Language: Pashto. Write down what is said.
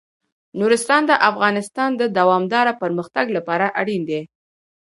نورستان د افغانستان د دوامداره پرمختګ لپاره اړین دي.